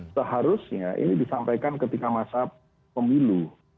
seharusnya ini disampaikan ketika masa pemilu